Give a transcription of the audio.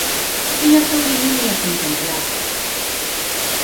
O señor Touriño nin a contemplaba.